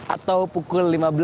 atau pukul lima belas